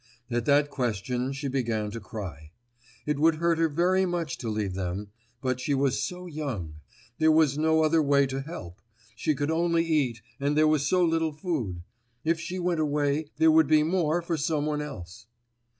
At that question she began to cry. It would hurt her very much to leave them; but she was so young. There was no other way to help; she could only eat and there was so little food. If she went away, there would be more for someone else.